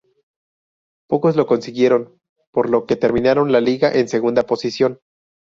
Pocos lo consiguieron, por lo que terminaron la liga en segunda posición.